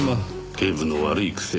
警部の悪い癖。